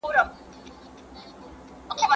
¬ له خوارۍ ژرنده چلوي، له خياله مزد نه اخلي.